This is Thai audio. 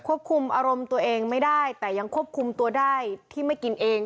ควบคุมอารมณ์ตัวเองไม่ได้แต่ยังควบคุมตัวได้ที่ไม่กินเอง